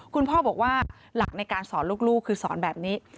คุณพ่อบอกว่าหลักในการสอนลูกคือสอนแบบนี้